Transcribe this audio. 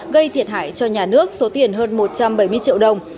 gây thiệt hại cho nhà nước số tiền hơn một trăm bảy mươi triệu đồng